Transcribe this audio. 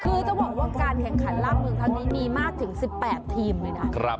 คือต้องบอกว่าการแข่งขันลาบเมืองครั้งนี้มีมากถึง๑๘ทีมเลยนะ